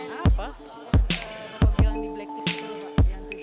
kalau bilang di blacklist